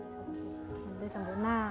oke semoga berhasil